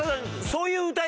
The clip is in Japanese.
そうそう。